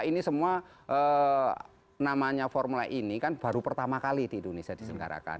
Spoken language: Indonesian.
ini semua namanya formula e ini kan baru pertama kali di indonesia disenggarakan